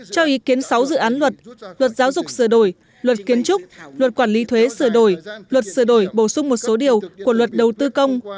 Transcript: cho ý kiến sáu dự án luật luật giáo dục sửa đổi luật kiến trúc luật quản lý thuế sửa đổi luật sửa đổi bổ sung một số điều của luật đầu tư công